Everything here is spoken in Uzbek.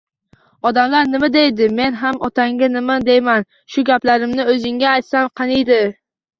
Odamlar nima deydi? Men ham otangga nima deyman? Shu gaplarimni o‘zingga aytsam qaniydi